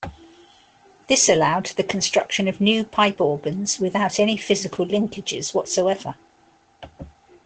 This allowed the construction of new pipe organs without any physical linkages whatsoever.